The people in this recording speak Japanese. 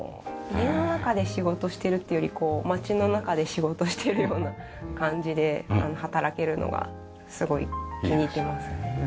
家の中で仕事してるっていうより街の中で仕事してるような感じで働けるのがすごい気に入ってますね。